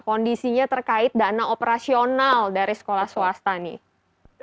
kondisinya terkait dana operasional dari sekolah swasta nih